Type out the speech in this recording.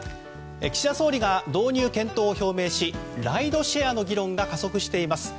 岸田総理が導入検討を表明しライドシェアの議論が加速しています。